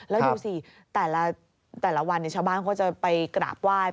แล้วดูสิแต่ละวันชาวบ้านเขาจะไปกราบไหว้